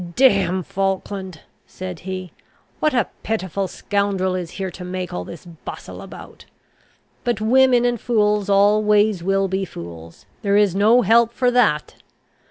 "Damn Falkland!" said he. "What a pitiful scoundrel is here to make all this bustle about! But women and fools always will be fools; there is no help for that!